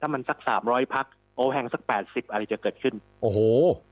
มันสักสามร้อยพักโอ้แห่งสักแปดสิบอะไรจะเกิดขึ้นโอ้โห